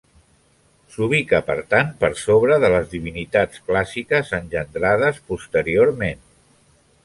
S'ubica per tant per sobre de les divinitats clàssiques, engendrades posteriorment.